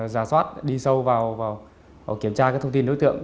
giả soát đi sâu vào kiểm tra các thông tin đối tượng